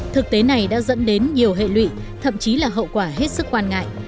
thực tế này đã dẫn đến nhiều hệ lụy thậm chí là hậu quả hết sức quan ngại